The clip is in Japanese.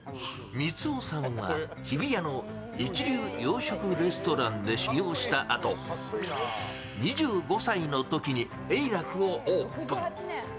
光男さんは日比谷の一流レストランで修業したあと、２５歳のときにえいらくをオープン。